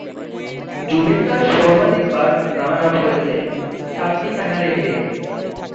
Juventus সর্বাধিকবার runner up হয়েছে, সাতটি ফাইনালে হেরে।